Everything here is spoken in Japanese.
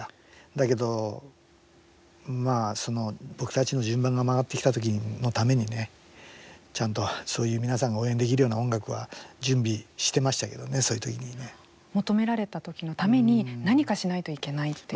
だけど、僕たちの順番が回ってきた時のためにねちゃんと、そういう皆さんが応援できるような音楽は準備してましたけどねそういう時にね。求められた時のために何かしないといけないという。